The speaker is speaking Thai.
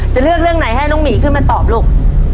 จะเลือกเรื่องไหนให้น้องหมีขึ้นมาตอบลูก